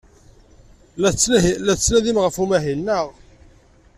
La tettnadim ɣef umahil, naɣ?